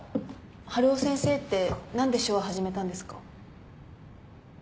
春尾先生って何で手話始めたんですか？